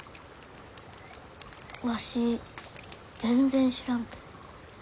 わし全然知らんと。